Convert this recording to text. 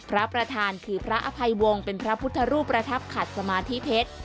และพระอภัยวงเป็นพระพุทธรูประทับขัดสมาธิเพชร